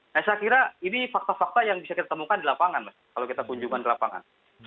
nah saya kira ini fakta fakta yang bisa kita temukan di lapangan mas kalau kita kunjungan ke lapangan